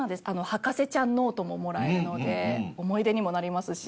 博士ちゃんノートももらえるので思い出にもなりますし。